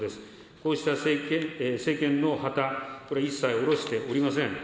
こうした政権の旗、これ一切おろしておりません。